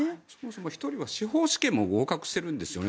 １人は司法試験も合格しているんですよね。